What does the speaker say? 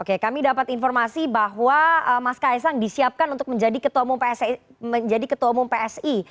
oke kami dapat informasi bahwa mas kaisang disiapkan untuk menjadi ketua umum psi